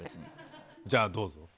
じゃあ、どうぞ。